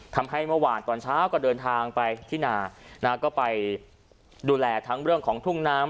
ทำให้เมื่อวานตอนเช้าก็เดินทางไปที่นาก็ไปดูแลทั้งเรื่องของทุ่งน้ำ